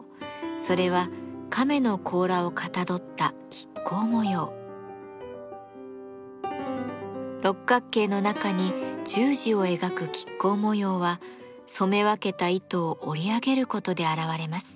それは亀の甲羅をかたどった六角形の中に十字を描く亀甲模様は染め分けた糸を織り上げることで現れます。